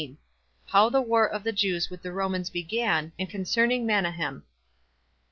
How The War Of The Jews With The Romans Began, And Concerning Manahem. 1.